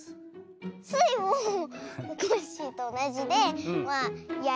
スイもコッシーとおなじでやいてたべる。